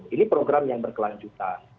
ini program yang berkelanjutan